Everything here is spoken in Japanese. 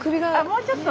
もうちょっと。